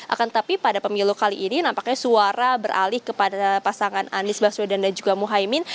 akan tetapi pada pemilu kali ini nampaknya suara beralih kepada pasangan anies baswedan dan juga muhaymin